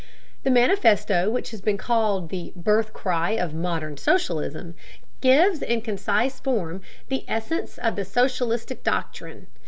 The Manifesto, which has been called the "birth cry of modern socialism," gives in concise form the essence of the socialist doctrine.